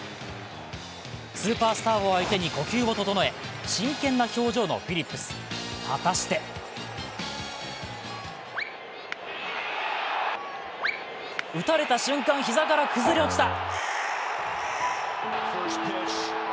スーパースターを相手に呼吸を整え、真剣な表情のフィリップス、果たして打たれた瞬間、膝から崩れ落ちた。